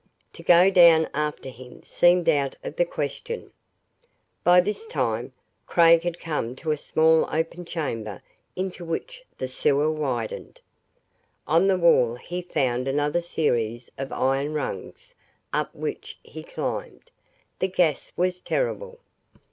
To go down after him seemed out of the question. By this time, Craig had come to a small open chamber into which the sewer widened. On the wall he found another series of iron rungs up which he climbed. The gas was terrible.